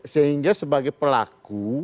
sehingga sebagai pelaku